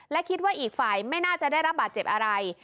และคิดว่าอีกฝ่ายไม่น่าจะได้รับบาดเจ็บอะไร